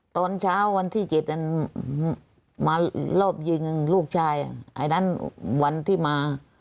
ตอนเช้าวันที่๗มารอบยิงลูกชายไอ้นั้นวันที่มา